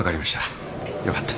よかった。